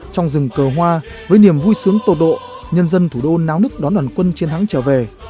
trong rừng cờ hoa với niềm vui sướng tột độ nhân dân thủ đô náo nức đón đoàn quân chiến thắng trở về